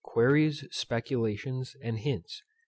_QUERIES, SPECULATIONS, and HINTS.